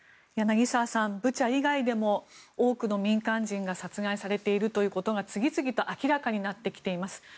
柳澤さん、ブチャ以外でも多くの民間人が殺害されているということが次々と明らかになってきています。